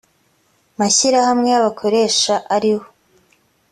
mashyirahamwe y abakoresha ariho